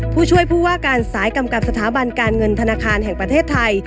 ผู้ช่วยผู้ว่าการสายกำกับสถาบันการเงินธนาคารแห่งประเทศไทย